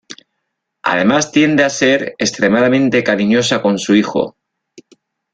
Además tiende a ser extremadamente cariñosa con su hijo.